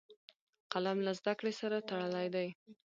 قلم له زده کړې سره تړلی دی